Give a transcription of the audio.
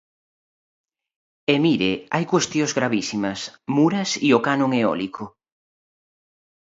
E, mire, hai cuestións gravísimas: Muras e o canon eólico.